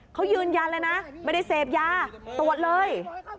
เขายืนยันเลยนะไม่ได้เสพยาตรวจเลย